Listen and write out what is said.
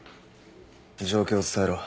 状況を伝えろ。